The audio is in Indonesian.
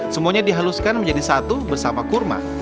semuanya dihaluskan menjadi satu bersama kurma